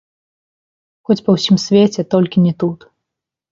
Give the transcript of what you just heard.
Хоць па ўсім свеце, толькі не тут!